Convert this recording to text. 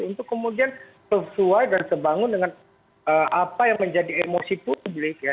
untuk kemudian sesuai dan sebangun dengan apa yang menjadi emosi publik ya